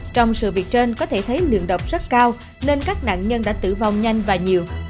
trong sự việc trên có thể thấy lượng độc rất cao nên các nạn nhân đã tử vong nhanh và nhiều